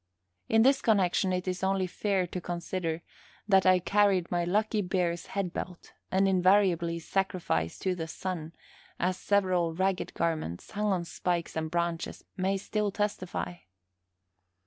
In this connection it is only fair to consider that I carried my lucky bear's head belt, and invariably sacrificed to the Sun, as several ragged garments, hung on spikes and branches, may still testify.